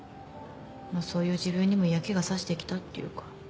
もうそういう自分にも嫌気がさしてきたっていうか。